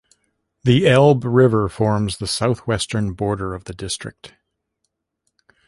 The Elbe river forms the southwestern border of the district.